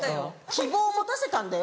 希望を持たせたんだよ？